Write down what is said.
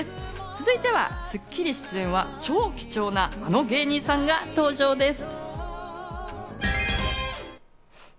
続いては『スッキリ』出演は超貴重なあの芸人さんが登場です。